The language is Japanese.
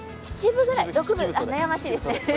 悩ましいですね。